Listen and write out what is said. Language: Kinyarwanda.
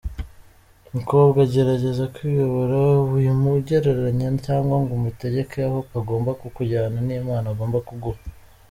Mukobwa, gerageza kwiyobora, wimugereranya cyangwa ngo umutegeke aho agomba kukujyana n’impano agomba kuguha.